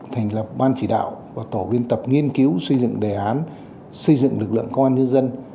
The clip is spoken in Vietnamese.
thành lập ban chỉ đạo và tổ biên tập nghiên cứu xây dựng đề án xây dựng lực lượng công an nhân dân